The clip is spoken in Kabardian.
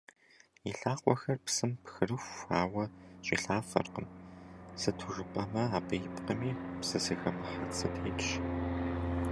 И лъакъуэхэр псым пхырыху, ауэ щӀилъафэркъым, сыту жыпӀэмэ, абы ипкъми, псы зыхэмыхьэ цы тетщ.